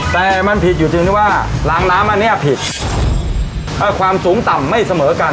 แต่มันผิดอยู่ตรงที่ว่าล้างน้ำอันนี้ผิดความสูงต่ำไม่เสมอกัน